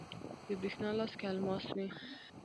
د بریښنا لاس کې الماس وی